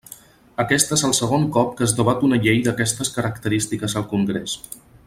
Aquest és el segon cop que es debat una llei d'aquestes característiques al Congrés.